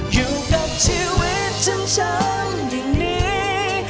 อยู่กับชีวิตฉันอย่างนี้